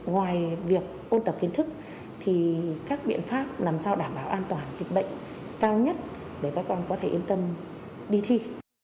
ngoài việc ôn tập kiến thức thì các biện pháp làm sao đảm bảo an toàn dịch bệnh cao nhất để các con có thể yên tâm đi thi